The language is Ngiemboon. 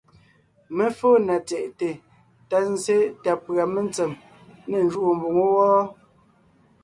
Mé fóo na tsyɛ̀ʼte ta zsé ta pʉ̀a metsem ne njúʼu mboŋó wɔ́,